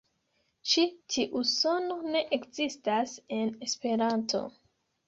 Ĉi tiu sono ne ekzistas en Esperanto.